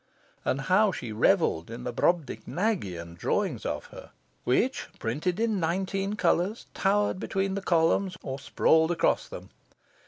And how she revelled in the Brobdingnagian drawings of her, which, printed in nineteen colours, towered between the columns or sprawled across them!